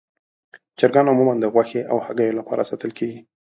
چرګان عموماً د غوښې او هګیو لپاره ساتل کېږي.